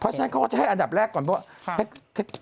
เพราะฉะนั้นเขาก็จะให้อันดับแรกก่อนเพราะว่า